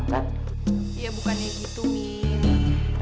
ya bukannya gitu min